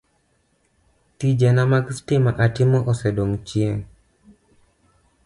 Tijena mag sitima atimo osedong' chien,